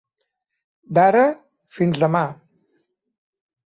D'ara, fins demà.